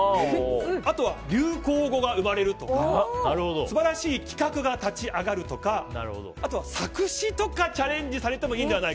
あとは、流行語が生まれるとか素晴らしい企画が立ち上がるとかあとは作詞とかチャレンジ